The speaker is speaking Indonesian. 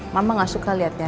mama gak suka liatnya